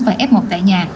và f một tại nhà